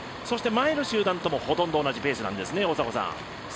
前の集団ともほとんど同じペースなんですよね。